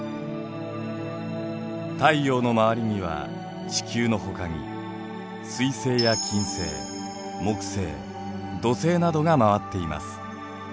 太陽の周りには地球のほかに水星や金星木星土星などが回っています。